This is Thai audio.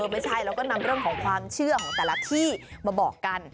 ไม่ใช่แล้วก็นำเรื่องของความเชื่อของแต่ละที่มาบอกกัน